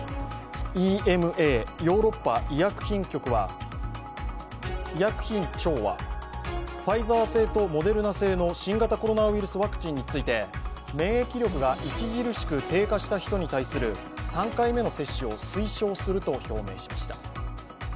ＥＭＡ＝ヨーロッパ医薬品庁はファイザー製とモデルナ製の新型コロナウイルスワクチンについて免疫力が著しく低下した人に対する３回目の接種を推奨すると表明しました。